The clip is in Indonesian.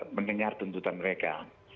pernah tuntutan mereka